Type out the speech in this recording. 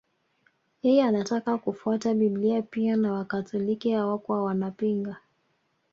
Yeye anataka kufuata Biblia pia na Wakatoliki hawakuwa wanapinga